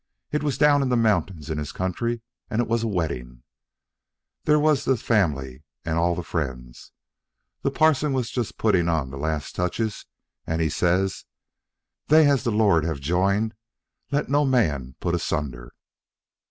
It was down in the mountains in his country, and it was a wedding. There they was, the family and all the friends. The parson was just puttin' on the last touches, and he says, 'They as the Lord have joined let no man put asunder.'